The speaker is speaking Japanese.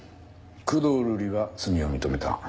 工藤瑠李は罪を認めた。